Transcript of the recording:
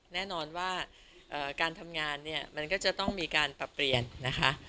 แน่นอนว่าการทำงานเนี่ยมันก็จะต้องมีการปรับเปลี่ยนนะคะ